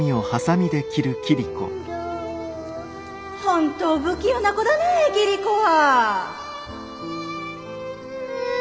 本当不器用な子だねぇ桐子は。